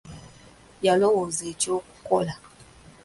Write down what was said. Yalowooza eky'okukola.